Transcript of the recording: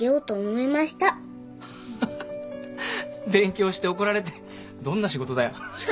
ハハ勉強して怒られてどんな仕事だよ。